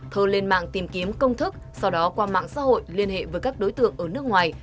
thơ lên mạng tìm kiếm công thức sau đó qua mạng xã hội liên hệ với các đối tượng ở nước ngoài